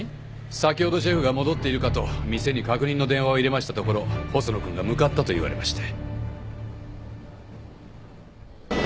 先ほどシェフが戻っているかと店に確認の電話を入れましたところ細野君が向かったと言われまして。